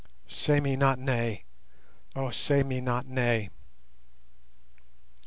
Say me not nay; oh, say me not nay!"